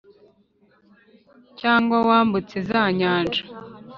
cyangwa wambutse za nyanja